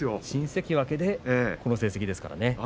新関脇でこの成績ですからね。